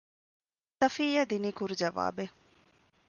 ޞަފިއްޔާ ދިނީ ކުރު ޖަވާބެއް